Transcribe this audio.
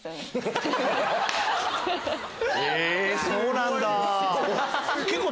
へぇそうなんだ。